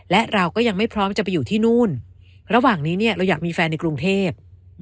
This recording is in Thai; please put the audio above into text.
และเราก็ยังไม่พร้อมจะไปอยู่ที่นู่นระหว่างนี้เนี่ยเราอยากมีแฟนในกรุงเทพ